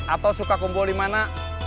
atau suka kumpul dimana